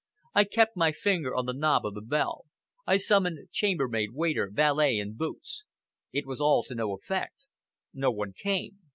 I kept my finger on the knob of the bell; I summoned chambermaid, waiter, valet and boots. It was all to no effect. No one came.